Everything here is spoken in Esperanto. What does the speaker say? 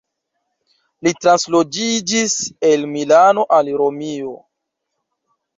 Li transloĝiĝis el Milano al Romio.